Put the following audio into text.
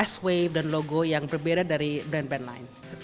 swave dan logo yang berbeda dari brand brand lain